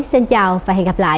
xin chào và hẹn gặp lại